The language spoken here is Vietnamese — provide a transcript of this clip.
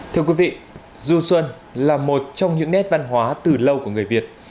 thưa quý vị du xuân là một trong những nét văn hóa từ lâu của người việt